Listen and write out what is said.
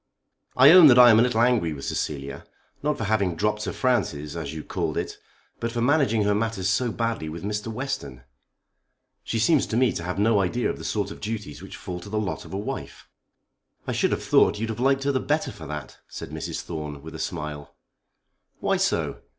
I own that I am a little angry with Cecilia, not for having dropped Sir Francis as you called it, but for managing her matters so badly with Mr. Western. She seems to me to have no idea of the sort of duties which fall to the lot of a wife." "I should have thought you'd have liked her the better for that," said Mrs. Thorne, with a smile. "Why so?